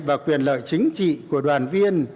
và quyền lợi chính trị của đoàn viên